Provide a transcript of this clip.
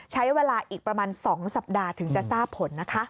ใช้เวลาอีกประมาณ๒สัปดาห์ถึงจะทราบผลนะคะ